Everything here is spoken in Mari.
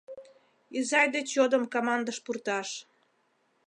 Изай деч йодым камандыш пурташ —